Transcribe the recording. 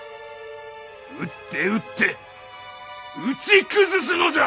撃って撃って撃ち崩すのじゃ！